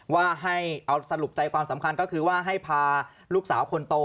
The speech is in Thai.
ว่าให้เอาสรุปใจความสำคัญก็คือว่าให้พาลูกสาวคนโต